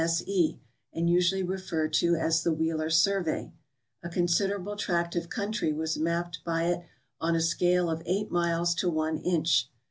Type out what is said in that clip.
S. E., and usually referred to as the Wheeler survey. A considerable tract of country was mapped by it on a scale of 8 miles to 1 inch.